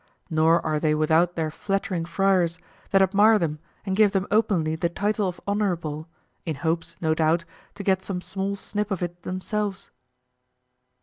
Nor are they without their flattering friars that admire them and give them openly the title of honorable, in hopes, no doubt, to get some small snip of it themselves.